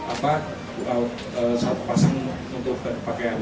apa satu pasang untuk pakaian